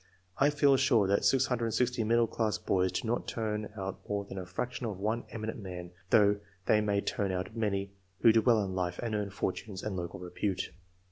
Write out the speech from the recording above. I feel sure that 660 middle class boys do not turn out more than a fraction of one eminent man, though they may turn out many who do well in life and earn fortunes and local repute.